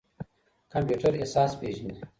کمپيوټر احساس پېژني.